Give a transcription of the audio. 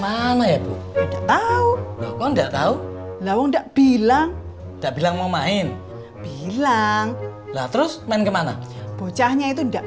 mana ya bu tahu tahu bilang bilang mau main bilang terus main kemana bocahnya itu enggak